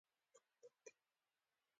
غول د هاضمې ماشین پای دی.